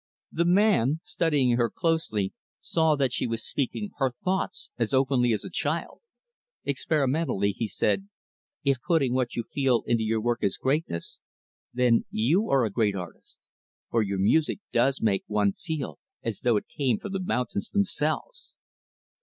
The man, studying her closely, saw that she was speaking her thoughts as openly as a child. Experimentally, he said, "If putting what you feel into your work is greatness, then you are a great artist, for your music does make one feel as though it came from the mountains, themselves."